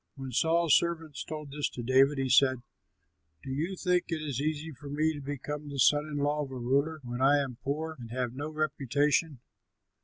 '" When Saul's servants told this to David, he said, "Do you think it easy for me to become the son in law of a ruler when I am poor and have no reputation!"